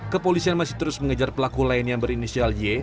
kepolisian masih terus mengejar pelaku lain yang berinisial y